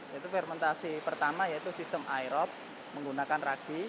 yaitu fermentasi pertama yaitu sistem aerob menggunakan ragi